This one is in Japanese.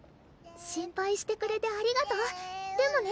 心配してくれてありがとうでもね